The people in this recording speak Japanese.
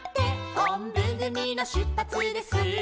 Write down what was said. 「おんぶぐみのしゅっぱつです」